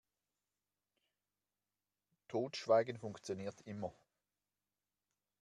Totschweigen funktioniert immer.